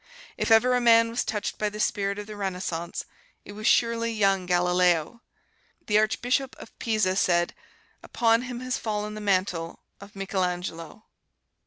If ever a man was touched by the Spirit of the Renaissance, it was surely young Galileo. The Archbishop of Pisa said, "Upon him has fallen the mantle of Michelangelo."